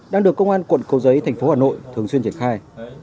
đang được công an quận cầu giấy thành phố hà nội thường xuyên triển khai